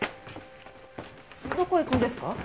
どこ行くんですか？